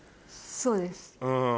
そうです。